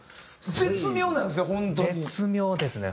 絶妙なんですね